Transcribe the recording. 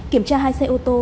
kiểm tra hai xe ô tô